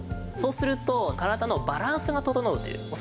そうすると体のバランスが整うという。